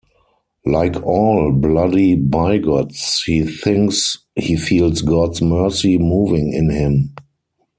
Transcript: Like all bloody bigots, he thinks he feels God's mercy moving in him.